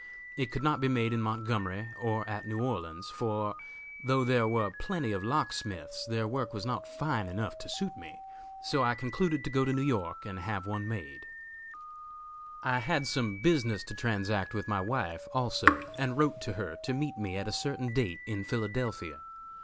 It could not be made in Montgomery or at New Orleans, for, though there were plenty of locksmiths, their work was not fine enough to suit me; so I concluded to go to New York and have one made. "I had some business to transact with my wife also, and wrote to her to meet me at a certain date in Philadelphia.